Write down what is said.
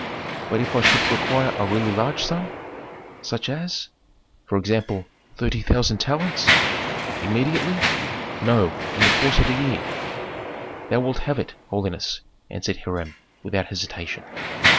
"But if I should require a really large sum?" "Such as ?" "For example, thirty thousand talents." "Immediately?" "No, in the course of a year." "Thou wilt have it, holiness," answered Hiram, without hesitation.